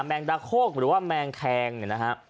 งดาโคกหรือว่าแมงแคงเนี่ยนะฮะ